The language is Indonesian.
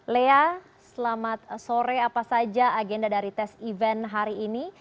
lea selamat sore apa saja agenda dari tes event hari ini